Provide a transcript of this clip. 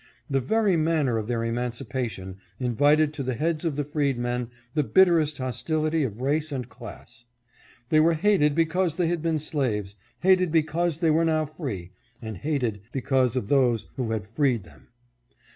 The ver,y manner of their emancipation invited to the heads of the freedmen the bitterest hostility of race and class. They were hated because they had been slaves, hated because they were now free, and hated because of those who had freed them.